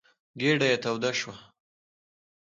ګېډه یې توده شوه.